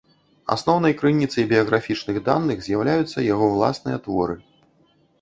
Асноўнай крыніцай біяграфічных даных з'яўляюцца яго ўласныя творы.